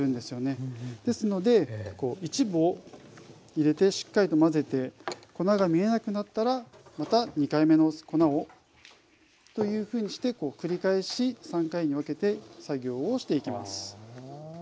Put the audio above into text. ですので一部を入れてしっかりと混ぜて粉が見えなくなったらまた２回目の粉をというふうにして繰り返し３回に分けて作業をしていきます。